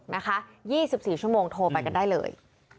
นะคะ๒๔ชั่วโมงโทรไปกันได้เลย